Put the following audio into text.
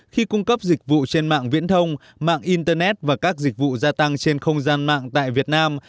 khi cung cấp dịch vụ trên mạng viễn thông mạng internet và các dịch vụ gia tăng trên không gian mạng tại việt nam